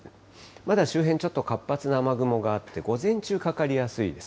まだ周辺、ちょっと活発な雨雲があって、午前中かかりやすいです。